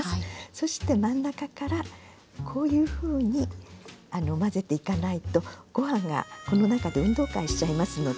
そして真ん中からこういうふうに混ぜていかないとご飯がこの中で運動会しちゃいますので。